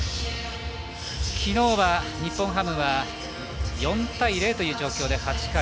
きのうは日本ハムは４対０という状況で８回